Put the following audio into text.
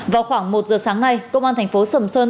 vào khoảng một giờ sáng nay công an thành phố sầm sơn